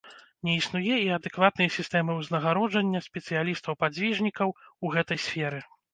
Не існуе і адэкватнай сістэмы ўзнагароджання спецыялістаў-падзвіжнікаў у гэтай сферы.